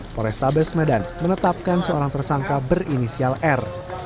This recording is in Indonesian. polrestabes medan menetapkan seorang tersangka berinisial r